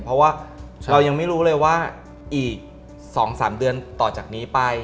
เพราะว่าเรายังไม่รู้เลยว่าอีก๒๓เดือนต่อจากนี้ไป